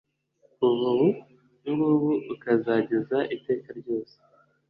kuva ubu ngubu ukazageza iteka ryose